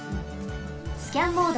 スキャンモード。